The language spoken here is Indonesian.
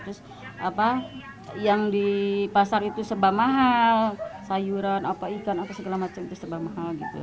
terus yang di pasar itu seba mahal sayuran ikan segala macam itu seba mahal